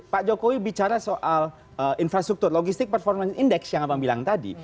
pak jokowi bicara soal infrastruktur logistik performance index yang abang bilang tadi